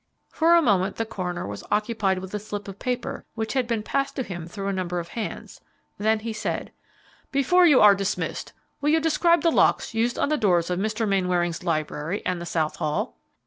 For a moment the coroner was occupied with a slip of paper which had been passed to him through a number of hands; then he said, "Before you are dismissed, will you describe the locks used on the doors of Mr. Mainwaring's library and the south hall."